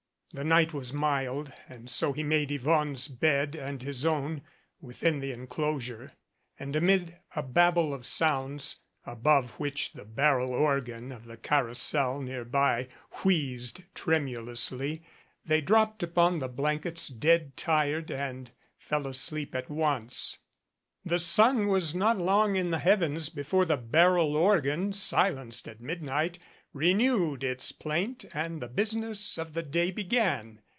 The night was mild, and so he made Yvonne's bed and his own within the enclosure, and amid a babel of sounds, above which the barrel organ of the carousel near by wheezed tremulously, they dropped upon the blankets, dead tired, and fell asleep at once. The sun was not long in the heavens before the barrel organ, silenced at midnight, renewed its plaint and the business of the day began.